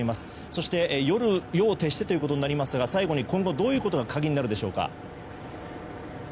そして夜を徹してということになりますが最後に今後、どういうことが鍵になるでしょうか。